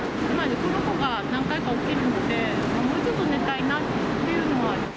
この子が何回か起きるので、もうちょっと寝たいなっていうのはあります。